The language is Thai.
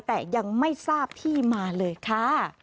แต่ยังไม่ทราบที่มาเลยค่ะ